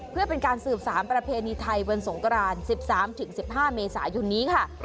เพื่อเป็นการสืบสารประเพณีไทยวันสงกราน๑๓๑๕เมษายนนี้ค่ะ